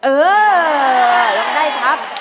เออท่องได้ทับ